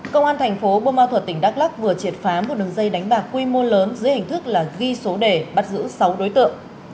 công an thành phố bô ma thuật tỉnh đắk lắc vừa triệt phá một đường dây đánh bạc quy mô lớn dưới hình thức là ghi số đề bắt giữ sáu đối tượng